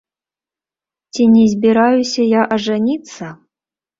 Ці не збіраюся я ажаніцца?